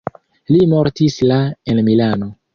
Li mortis la en Milano.